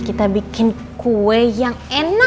kita bikin kue yang enak